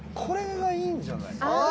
これがいいんじゃない？